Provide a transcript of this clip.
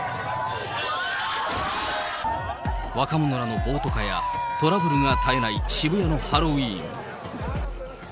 若者らの暴徒化やトラブルが絶えない渋谷のハロウィーン。